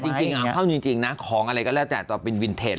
จริงเอาเข้าจริงนะของอะไรก็แล้วแต่ต่อเป็นวินเทจ